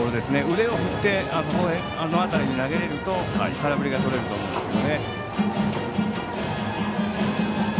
腕を振ってあの辺りに投げられると空振りがとれると思うんですけど。